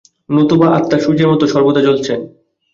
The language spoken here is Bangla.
নতুবা আত্মা সূর্যের মত সর্বদা জ্বলছেন।